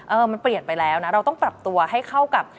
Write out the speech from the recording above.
มันเปลี่ยนไปแล้วนะเราต้องปรับตัวให้เข้ากับ